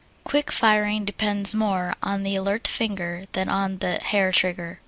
Quick firing depends more on the alert finger than on the hair trigger.